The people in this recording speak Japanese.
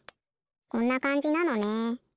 こんなかんじなのね。